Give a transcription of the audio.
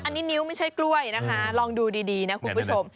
อันนี้นิ้วไม่ใช่กล้วยนะคะลองดูดีนะคุณผู้ชม